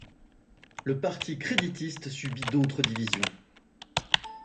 Le Parti créditiste subit d'autres divisions.